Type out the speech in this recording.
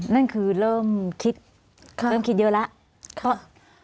นั่นคือเริ่มคิดเริ่มคิดเยอะแล้ว